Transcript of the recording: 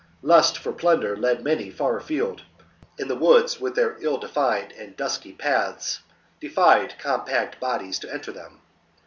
Lust for plunder led many far afield ; and the woods with their ill defined and dusky paths defied compact bodies to enter them.